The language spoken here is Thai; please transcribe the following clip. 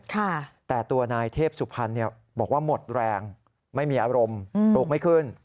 แต่ตัวนายเทพสุพรรณบอกว่าหมดแรงไม่มีอารมณ์ปลูกไม่ขึ้น